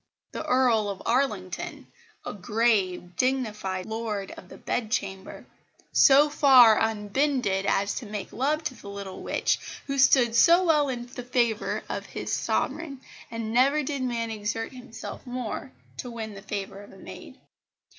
The Earl of Arlington, a grave, dignified Lord of the Bedchamber, so far unbended as to make love to the little witch, who stood so well in the favour of his Sovereign; and never did man exert himself more to win the favour of a maid.